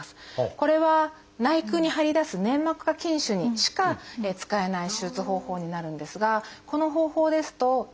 これは内腔に張り出す粘膜下筋腫にしか使えない手術方法になるんですがこの方法ですと１泊２日で。